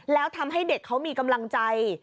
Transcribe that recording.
แล้วทำให้เด็กเขามีกำลังใจ